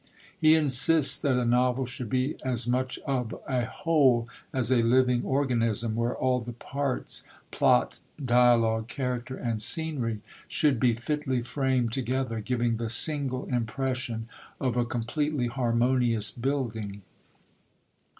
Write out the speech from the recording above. He insists that a novel should be as much of a whole as a living organism, where all the parts plot, dialogue, character, and scenery should be fitly framed together, giving the single impression of a completely harmonious building.